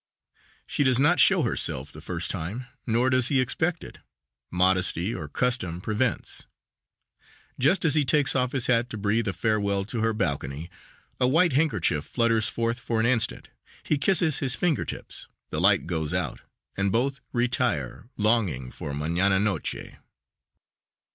She does not show herself the first time nor does he expect it. Modesty or custom prevents. Just as he takes off his hat to breathe a farewell to her balcony, a white handkerchief flutters forth for an instant, he kisses his finger tips, the light goes out, and both retire, longing for _manana noche.